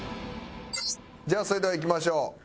じゃあそれではいきましょう。